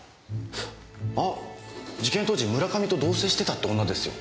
あっ事件当時村上と同棲してたって女ですよ。